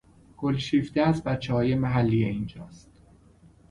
گلشیفته از بچههای محلی اینجاست